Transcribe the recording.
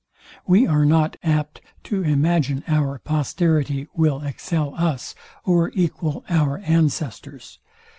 We are not apt to imagine our posterity will excel us, or equal our ancestors.